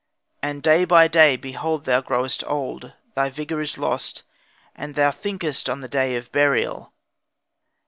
And day by day behold thou growest old; thy vigour is lost, and thou thinkest on the day of burial.